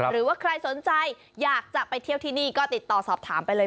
หรือว่าใครสนใจอยากจะไปเที่ยวที่นี่ก็ติดต่อสอบถามไปเลย